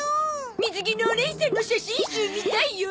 水着のおねいさんの写真集見たいよ。